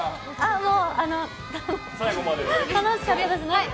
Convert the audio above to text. あの、楽しかったです。